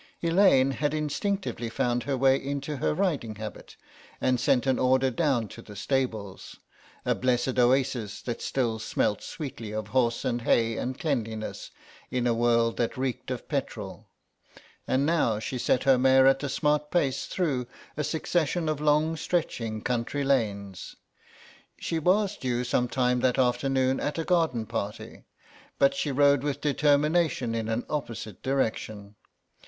Elaine had instinctively found her way into her riding habit and sent an order down to the stables—a blessed oasis that still smelt sweetly of horse and hay and cleanliness in a world that reeked of petrol, and now she set her mare at a smart pace through a succession of long stretching country lanes. She was due some time that afternoon at a garden party, but she rode with determination in an opposite direction.